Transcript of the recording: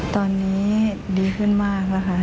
ตอนนี้ดีขึ้นมากแล้วค่ะ